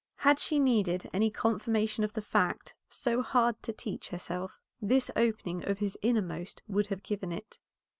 Had she needed any confirmation of the fact so hard to teach herself, this opening of his innermost would have given it.